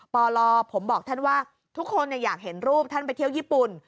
ปลผมบอกท่านว่าทุกคนอยากเห็นรูปท่านไปเที่ยวญี่ปุ่น